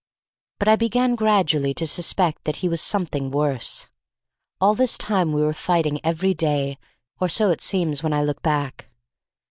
But I began gradually to suspect that he was something worse. All this time we were fighting every day, or so it seems when I look back.